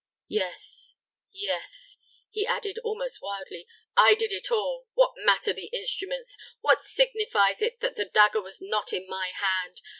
Yes, yes," he added, almost wildly, "I did it all what matter the instruments what signifies it that the dagger was not in my hand?